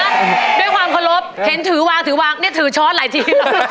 ด้วยความเคารพเห็นถือวางถือวางเนี่ยถือช้อนหลายที